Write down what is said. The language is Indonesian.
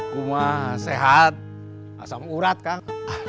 kuma sehat asam urat kang